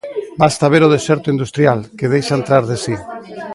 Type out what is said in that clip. ¡Basta ver o deserto industrial que deixan tras de si!